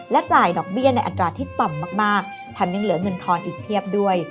จ่ายดอกเบี้ยในอัตราที่ต่ำมากแถมยังเหลือเงินทอนอีกเพียบด้วย